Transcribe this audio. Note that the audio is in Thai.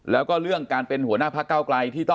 แล้วก็เรื่องการเป็นหัวหน้าพักเก้าไกล